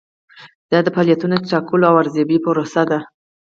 دا د فعالیتونو د ټاکلو او ارزیابۍ پروسه ده.